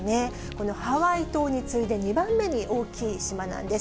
このハワイ島に次いで、２番目に大きい島なんです。